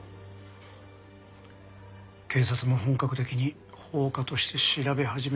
警察も本格的に放火として調べ始めるかもしれんな。